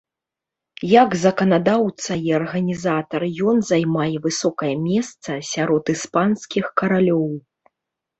Як заканадаўца і арганізатар ён займае высокае месца сярод іспанскіх каралёў.